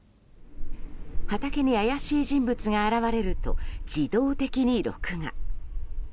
畑に怪しい人物が現れると自動的に録画。